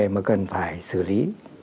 mà cần phải xử lý